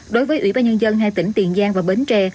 đối với ủy ban nhân dân hai tỉnh tiền giang và bến tre